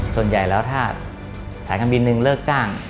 ส่วนใหญ่แล้วถ้าสายการบินหนึ่งเลิกจ้าง